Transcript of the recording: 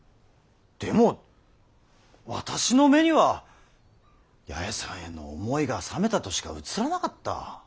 でも私の目には八重さんへの思いが冷めたとしか映らなかった。